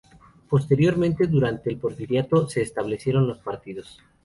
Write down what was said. Posteriormente, durante el Porfiriato, se restablecieron los partidos.